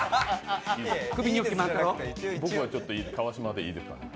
僕は川島でいいです。